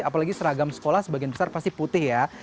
apalagi seragam sekolah sebagian besar pasti putih ya